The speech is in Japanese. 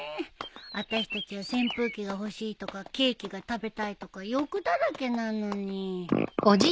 あたしたちは扇風機が欲しいとかケーキが食べたいとか欲だらけなのに。